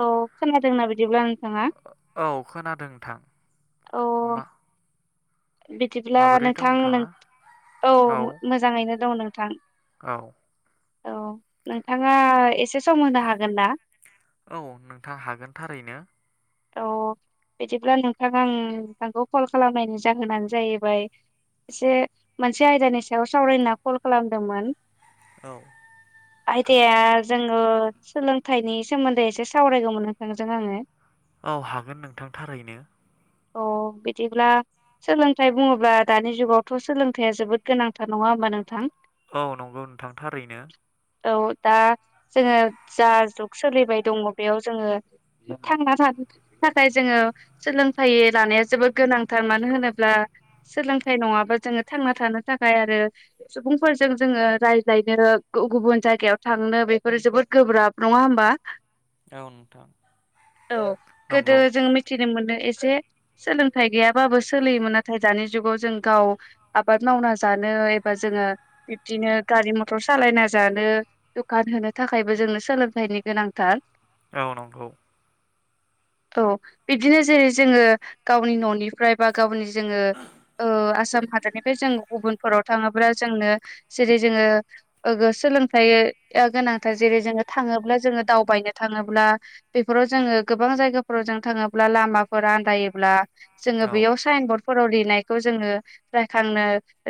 औ खोनादोंना बिदिब्ला नोंथाङा। औ खोनादों नोंथां। अ। मा बिदिब्ला माबोरै दं नोंथां नोंथाङा औ मोजाङैनो दं नोंथां औ औ नोंथाङा एसे सम होनो हागोन ना औ नोंथां हागोन थारैनो औ' बिदिब्ला नोंथां आं नोंथांखौ कल खालामनायनि जाहोनानो जाहैबाय एसे मोनसे आयदानि सायाव सावरायनो होनना कल खालामदोंमोन औ आयदाया जोङो सोलोंथाइनि सोमोन्दै एसे सावरायगौमोन नोंथांजों आङो औ हागोन नोंथां थारैनो अ बिदिब्ला सोलोंथाइ बुङोब्ला दानि जुगावथ' सोलोंथाइया जोबोद गोनांथार नङा होमबा नोंथां औ नंगौ नोंथां थारैनो औ दा जोङो जा जुग सोलिबाय दङ बेयाव जोङो थांना थानो थाखाय जोङो सोलोंथाइ लानाया जोबोद गोनांथार मानो होनोब्ला सोलोंथाइ नङाबा जोङो थांना थानो थाखाय आरो सुबुंफोरजों जोङो राय्लायनो गुबुन जाय जायगायाव थांनो बेफोर जोबोद गोब्राब नङा होमबा औ औ नोंथां गोदो नंगौ जों मिथिनो मोनो एसे सोलोंथाइ गैयाबाबो सोलिमोन नाथाय दानि जुगाव जों गाव आबाद मावनाय बा जानो एबा जोंङो बिदिनो गारि मटर सालायना जानो दखान होनो थाखाय बो जोंनो सोलोंथाइनि गोनांथार औ नंगौ औ बिदिनो जेरै जोङो गावनि न'निफ्राय बा गावनि जोङो ओ आसाम हादरनिफ्राय जों गुबुनफोराव थाङोब्ला जोंनो जेरै जोङो ओ सोलोंथाइ गोनांथार जेरै जोङो थाङोब्ला जोङो दावबायनो थाङोब्ला बेफोराव जोङो गोबां जायगा फोराव' जों थाङोब्ला लामाफोर आन्दायोब्ला जोङो औ बेयाव साइन बरर्ड फोराव लिरनायखौ जोङो रायखांनो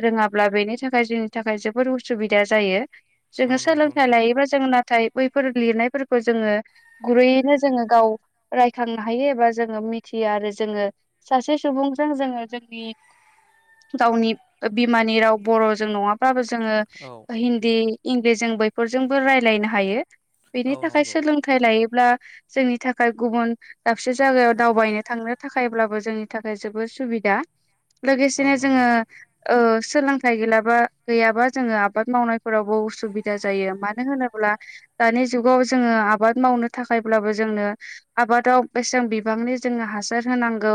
रोङाब्ला बेनि थाखाय जोंनि थाखाय जोबोद उसुबिदा जायो जायो औ जोङो नंगौ सोलोंथाइ नोंथां लायोबा जोंनो थाइ बैफोर लिरनायफोरखौ जोङो गुरैयैनो जोङो गाव राय थांनो हायो एबा जोङो मिथियो आरो जोङो सासे सुबुंजों जोङो जोंनि गावनि बिमानि राव बर'जों नङा बाबो जोङो औ हिन्दी इंलिसजों बैफोरजोंबो राय्लायनो हायो औ बेनि थाखाय नंगौ सोलोंथाइ लायोब्ला जोंनि थाखाय गुबुन दाबसे जायगायाव दावबायनो थांनो थाखायब्लाबो जोंनि थाखाय जोबोद सुबिदा औ लोगोसेनो जोङो नंगौ ओ सोलोंथाइ गैलाबा गैयाबा जोङो आबाद मावनायफोरावबो उसुबिदा जायो मानो होनोब्ला दानि जुगाव जोङो आबाद मावनो थाखायब्लाबो जोंनो आबादाव बेसेबां बिबांनि जोङो हासार होनांगौ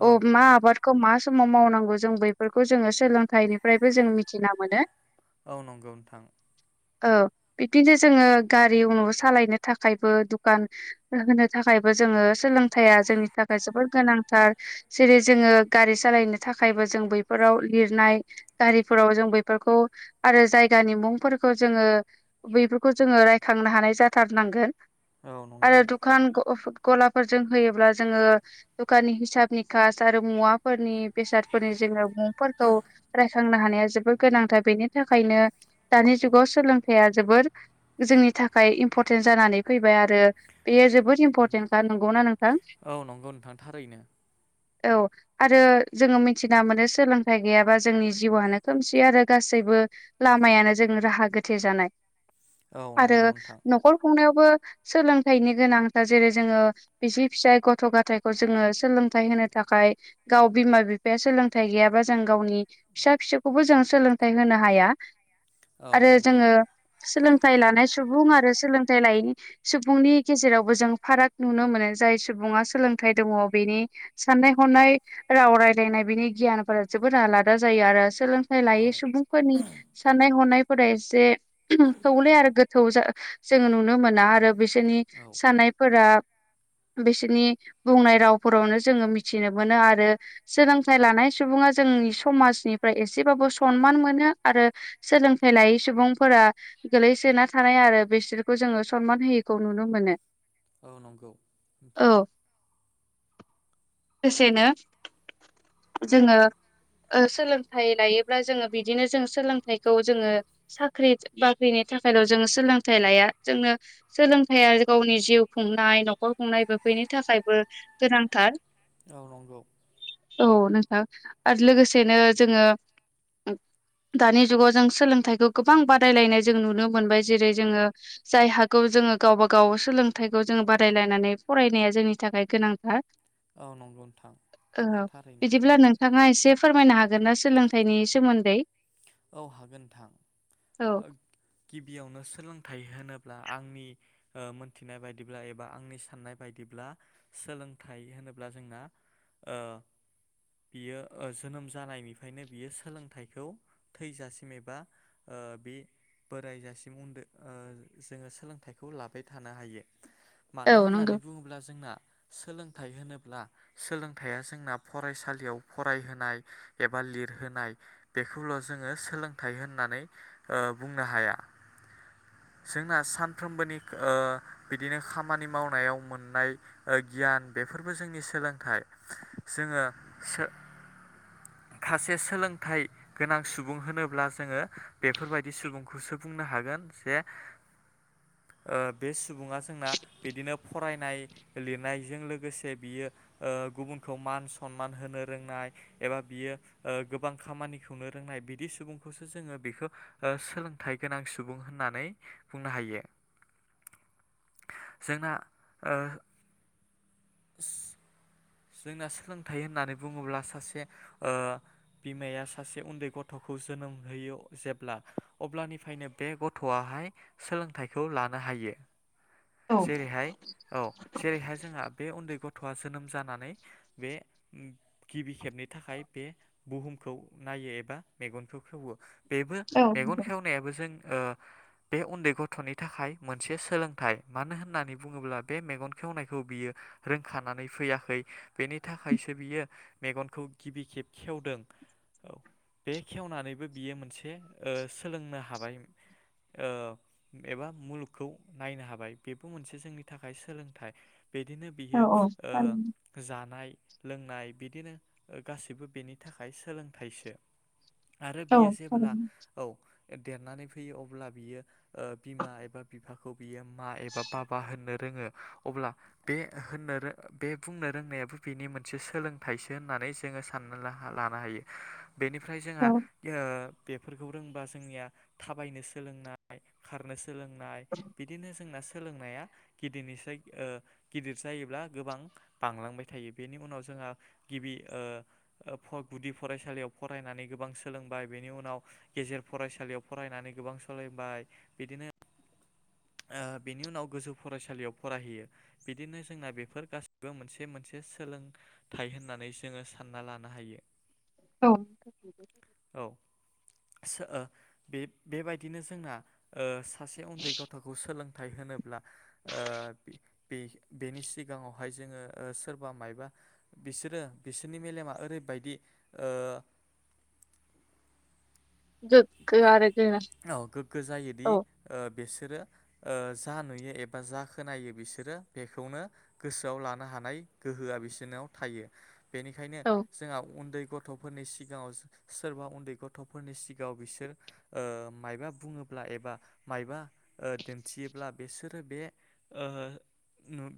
औ अ मा आबाद खौ मा समाव मावनांगौ जों बैफोरखौ जोङो सोलोंथाइनिफ्रायबो जों मिथिना मोनो औ नंगौ नोंथां औ बिदिनो जोङो गारि उनाव सालायनो थाखायबो दुखान होनो थाखायबो जोङो सोलोंथाइया जोंनि थाखाय जोबोद गोनांथार जेरै जोङो गारि सालायनो था थाखायबो जों बैफोराव लिरनाय गारिफोराव जों बैफोरखौ आरो जायगानि मुंफोरखौ जोङो बैफोरखौ रायखांनो हानाय जाथारनांगोन औ आरो नंगौ दखान गलाफोरजों होयोब्ला जोङो दखाननि हिसाब निखास्ट आरो मुवाफोरनि बेसाद फोरनि जोङो मुंफोरखौ रायखांनो हानाया जोबोद गोनांथार बेनि थाखायनो दानि जुगाव सोलोंथाइआ जबोर जोंनि थाखाय इम्परटेन्ट जानानै फैबाय आरो बेयो जबोर इम्परटेन्टखा नोंगौ ना नों औ नंगौ नोंथां थारैनो औ आरो जोङो मिथिना मोनो सोलोंथाइ गैयाबा जोंनि जिउआनो खोमसि आरो गासैबो बो लामायानो जों राहा गोथे जानाय औ आरो नंगौ नोंथां न'खर खुंनायावबो सोलोंथाइनि गोनां दा जेरै जोङो बिसि फिसाय गथ' गथायखौ जोङो सोलोंथायाइ होनो थाखाय गाव बिमा बि बिफाया सोलोंथाइ गैयाबा जों गावनि फिसा फिसौखौबो जों सोलोंथाइ होनो हाया औ आरो नंगौ जोङो सोलों थाय सुबुं आरो सोलोंथाइ लायैनि सुबुंनि गेजेराव जों फाराग नुनो मोनो जाय सुबुङा सोलोंथाइ दङ बेनि साननाय हनाय राव राय रायलायनाय बिनि गियानफोरा जोबोद आलादा जायो आरो सोलों थाय औ लायै सुबुंफोरनि साननाय हनाय फोरा एसे अम थौले आरो गोथौ जों जोङो नुनो मोना आरो बिसोरनि औ थानायफोरा बिसोरनि बुंनाय रावफोरावनो जोङो मिथिनो मोनो आरो सोलोंथाइ लानाय सुबुङा जोंनि समाजनिफ्राय एसेबाबो सनमान मोनो आरो सोलोंथाइ लायै सुबुंफोरा गोलैसोना थानाय आरो बिसोरखौ जोङो सनमान होयिखौ नुनो मोनो औ नंगौ औ नोंथां लोगोसेनो जोङो ओ सोलोंथाइ लायोब्ला जोङो बिदिनो जों सोलोंथाइखौ जोङो साख्रि बाख्रिनि थाखायल' जोङो सोलोंथाइ लाया जोंनो सोलोंथया गावनि जिउ खुंनाय न'खर खुंनायबो बेफैनि थाखायबो गोनांथार औ नंगौ औ नोंथां आरो लोगोसेनो जोङो दानि जुगाव जों सोलोंथाइखौ गोबां बादायलायनाय जों नुनो मोनबाय जेरै जोङो जाय हागौ जोङो गावबा गाव सोलोंथाइखौ जोङो बादायलायनानै फरायनाया जोंनि थाखाय गोनांथार औ नंगौ नोंथां औ थारैनो बिदिब्ला नोंथाङा एसे फोरमायनो हागोन ना सोलोंथाइनि सोमोन्दै औ हागोन नोंथां औ ओ गिबियावनो सोलोंथाइ होनोब्ला आंनि ओ मोनथिनाय बायदिब्ला एबा आंनि साननाय बायदिब्ला सोलोंथाइ थायो होनोब्ला जोंना ओ बियो ओ जोनोम जानायनिफ्रायनो बियो सोलोंथाइखौ थैजासिम एबा ओ बे बोरायजासिम उनदो ओ जोङो सोलोंथाइखौ लाबाय थानो हायो मानो औ होननानै नंगौ बुङोब्ला जोंना सोलोंथाइ होनोब्ला सोलोंथाइया जोंना फरायसालियाव फरायहोनाय एबा लिरहोनाय बे खौल' जोङो सोलोंथाइ होननानै ओ बुंनो हाया [inaudible] जोंना सानफ्रोमबोनि ओ बिदिनो खामानि मावनायाव मोननाय ओ गियान बे बेफोरबो जोंनि सोलोंथाइ जोङो [inaudible] खासे सोलोंथाइ गोनां सुबुं होनोब्ला जोङो बेफोरबायदि सुबुंखौसो बुंनो हागोन जे बे ओ सुबुङा जोंना बिदिनो फरायनाय लिरनायजों लोगोसे बियो ओ गुबुनखौ मान सनमान होनो रोंनाय एबा बियो ओ गोबां खामानि खौनो रोंनाय बिदि सुबुंखौसो जोङो बेखौ सोलोंथाइ गोनां सुबुं होननानै बुंनो हायो [inaudible] जोंना ओ [inaudible] जोंना सोलोंथाइ होननानै बुङोब्ला सासे ओ बिमाया सासे उन्दै गथ'खौ जोनोम होयो जेब्ला अब्लानिफ्रायनो बे गथ'आहाय सोलोंथाइखौ लानो हायो। औ जेरैहाय औ जेरैहाय जोंहा बे उन्दै गथ'आ जोनोम जाना नै बे गिबि खेबनि थाखाय बे बुहुमखौ नायो एबा मेगन खौ खेवो बेबो औ मेगन खेवनायाबो जों ओ [inaudible] बे उन्दै गथ'नि थाखाय मोनसे सोलोंथाइ मानो होननानै बुङोब्ला बे मेगन खेवनायखौ बियो रोंखानानै फैयाखै बेनि थाखायसो बियो मेगनखौ गिबि खेब खेवदों औ बे खेवनानैबो बियो मोनसे ओ सोलोंनो हाबाय ओ एबा मुलुगखौ नायनो हाबाय बेबो मोनसे जोंनि थाखाय सोलोंथाइ। बिदिनो औ बियो औ ओ थारैनो जानाय लोंनाय बिदिनो गासैबो बेनि थाखाय सोलोंथाइसो आरो औ बियो जेब्ला थारैनो औ देरनानै फैयो अब्ला बियो ओ बिमा एबा बिफाखौ बियो मा एबा बाबा होननो रोंङो अब्ला बे होननोरो बे बुंनो रोंनायाबो बिनि मोनसे सोलोंथाइसो होननानै जोंङो साननानै लानो हायो। बेनिफ्राय जोंहा औ ओ बेफोरखौ रोंबा जोंनिया थाबायनो सोलोंनाय खारनो सो सोलोंनाय बिदिनो जोंना सोलोंनाया गिदिनिसाय ओ गिदिर जायोब्ला गोबां बांलांबाय थायो बेनि उनाव जोंहा गिबि ओ गुदि फरायसालियाव फरायनानै गो गोबां सोलोंबाय बेनि उनाव गेजेर फरायसालियाव फरायनानै गोबां सोलोंबाय बिदिनो ओ बेनि उनाव गोजौ फरायसालियाव फरायहैयो बिदिनो जोंना बेफोर गासिबो मोनसे मोनसे एसे सोलोंथाइ होननानै जोंङो सानना लानो हायो। औ [unintelligible] औ ओ बे बेबायदिनो जोंना ओ सासे उन्दै गथ'सा सोलोंथाइ होनोब्ला ओ बेनि सिगांङाव जोंङो सोरबाफोर मायबा बिसोरो बिसोरनि मेलेमा ओरैबायदि ओ [inaudible] गोग्गो आरो गोरा औ गोग्गो जायोदि औ ओ बिसोरो ओ जा नुयो एबा जा खोनायो बिसोरो बेखौनो गोसोआव लानो हानाय गोहो आ बिसोरनाव थायो बेनिखायनो औ जोंहा उन्दै गथफोरनि सिगाङाव सोरबा उन्दै गथ'फोरनि सि गाव बिसोर ओ मायबा बुंङोब्ला एबा मायबा ओ दिन्थियोब्ला बिसोर बे ओ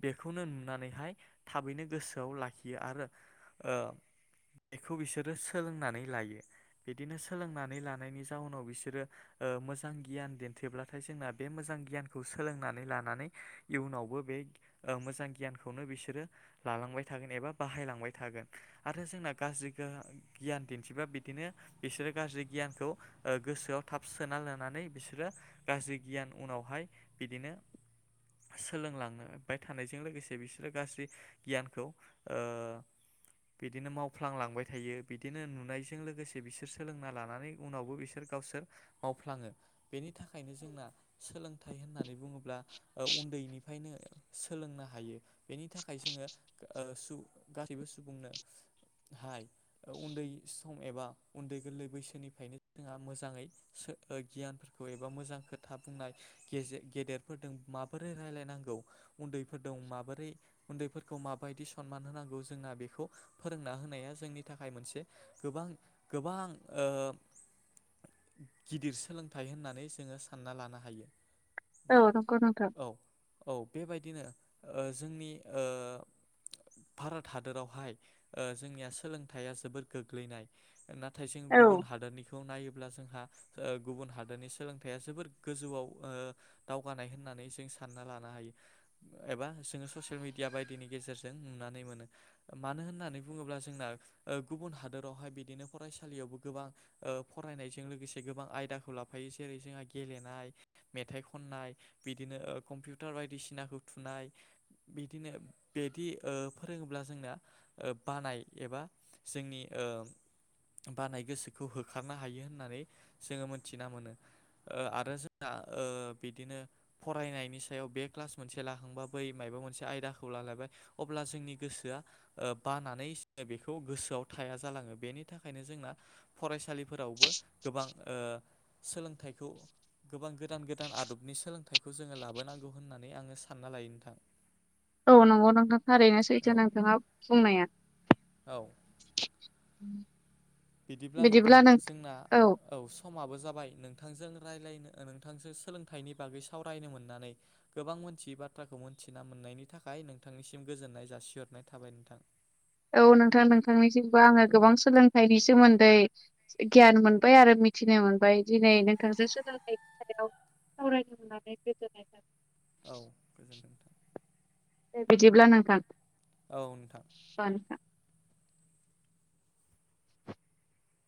बेखौनो नुनानैहाय थाबैनो गोसोआव लाखियो आरो ओ बेखौ बिसोरो सोलोंनानै लायो बिदिनो सोलोंनानै ला लानायनि जाउनाव बिसोरो ओ मोजां गियान दिनथिब्लाथाय जोंना बे मोजां गियानखौ सोलोंनानै ला नानै इयुनावबो बे मोजां ओ गियानखौनो बिसोरो लालांबाय थागोन एबा बाहायलां बाय थागोन आरो जोंना गाज्रि गोहोम गियान दिनथिबा बिदिनो बिसोरो गाज्रि गियान खौ गोसोआव थाब सोना लानै बिसोरो गाज्रि गियान उनावहाय बिदिनो सोलोंलांबाय थानायजों लोगोसे बिसोरो गाज्रि गियानखौ ओ बिदिनो मावफ्लांलांबाय थायो बिदिनो नुनायजों लोगोसे बिसोर सोलोंना लानानै उनावबो बिसोर गावसोर मावफ्लाङो बेनि थाखायनो जोंना सोलोंथाइ होननानै बुंङोब्ला ओ उन्दैनिफ्रायनो सोलोंनो हायो बेनि थाखाय जोंङो ओ गासैबो सुबुंनो हाय उन्दै सम एबा उन्दै गोरलै बैसोनि बेनिखायनो जोंहा मोजांङै गियानफोरखौ एबा मोजां खोथा बुंनाय गेदेर माबोरै रायलायनांगौ उनदैफोरजों माबोरै उन खौ माबायदि सनमान होनांगौ जोंना बेखौ फोरोंना होनाया जोंनि थाखाय मोनसे गोबां गोबां ओ गिदिर सोलोंथाइ होननानै जोंङो सानना लानो हायो नोंथां औ नंगौ नोंथां औ औ बेबायदिनो जोंनि ओ भारत हादरावहाय ओ जोंनिया सोलोंथाइया जोबोद गोग्लैनाय ना - थाय जों औ गुबुन हादनि - खौ नायोब्ला जोंहा गुबुन हादोरनि सोलोंथाइया जोबोर गोजौआव ओ दावगानाय होनना - नै जों सानना लानो हायो एबा जोंङो ससियेल मिडिया बायदिनि गेजेरजों नुनानै मोनो मानो होननानै बुंङोब्ला जोंना गुबुन हादोरावहाय बिदिनो फरायसालियावबो गोबां ओ फरायनायजों लोगोसे गोबां आयदाखौ लाफायो जेरै जोंहा गेलेनाय मेथाइ खननाय बिदिनो कम्पिउटार बायदिसिनाखौ थुनाय बिदिनो बिदि ओ फोरोङोब्ला जोंना बानाय एबा जोंनि ओ बानाय गोसो -खौ होखारनो हायो होननानै जोङो मोनथिना मोनो। आरो जोंना ओ बिदिनो फरायनायनि सायाव बे क्लास मोनसे लाखांबा बै माय मोनसे आयदाखौ लालायबाय अब्ला जोंनि गोसोआ बानानै बेखौ गोसोआव थाया जालाङो बेनि थाखायनो जोंना फरायसालिफोरावबो गोबां ओ सोलोंथाइखौ गोबां गोदान गोदान आदबनि सोलोंथाइखौ जोङो लाबोनांगौ होननानै आङो सानना लायो नोंथां औ नंगौ नोंथां थारैनो सैथो औ नोंथाङा बुंनाया। [inaudible] औ बिदिब्ला नोंथां जोंना औ समाबो जाबाय नोंथांजों रायलायनो नोंथांसो सोलोंथाइनि बागै सावरायनो मोननानै गोबां मोनथियै बाथ्राखौ मोनथिना मोन नायनि थाखाय नोंथांनिसिम गोजोन्नाय जासिहरनाय थाबाय नोंथां। औ नोंथां नोंथांनिसिमबो आङो गोबां सोलोंथाइनि सोमोन्दै गियान मोनबाय आरो। मिथिनो मोनबाय दिनै नोंथांजों सोलों [unintelligible] औ गोजोनथों दे बिदिब्ला नोंथां औ नोंथां